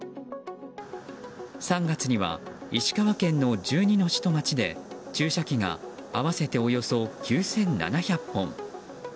３月には石川県の１２の市と町で注射器が合わせておよそ９７００本。